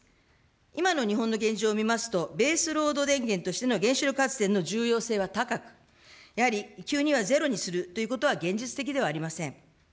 今の日本の現状を見ますと、ベースロード電源としての原子力発電の重要性は高く、やはり急にはゼロにするということは現実的ではありません。